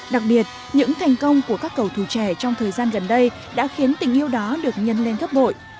đặc biệt những thành công của các cầu thủ trẻ trong thời gian gần đây đã khiến tình yêu đó được nhân lên gấp bội